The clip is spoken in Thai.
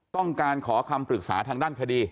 ต้องการขอคำปรึกษาทางด้านคดี